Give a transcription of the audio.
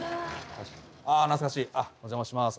あお邪魔します。